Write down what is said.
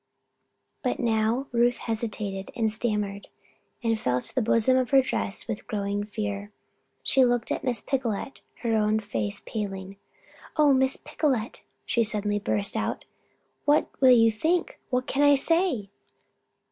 But now Ruth hesitated and stammered, and felt in the bosom of her dress with growing fear. She looked at Miss Picolet, her own face paling. "Oh, Miss Picolet!" she suddenly burst out. "What will you think? What can I say?"